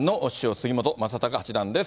杉本昌隆八段です。